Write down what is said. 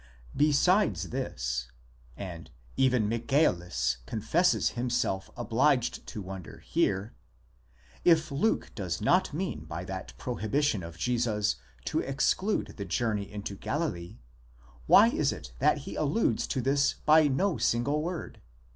Besides this—and even Michaelis confesses him self obliged to wonder here—if Luke does not mean by that prohibition of Jesus to exclude the journey into Galilee, why is τὸ that he alludes to this by no single word?